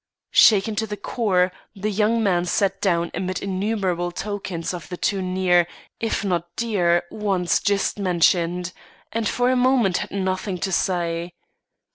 Shaken to the core, the young man sat down amid innumerable tokens of the two near, if not dear, ones just mentioned; and for a moment had nothing to say.